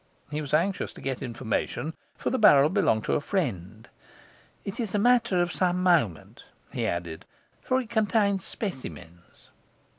He was anxious to get information, for the barrel belonged to a friend. 'It is a matter of some moment,' he added, 'for it contains specimens.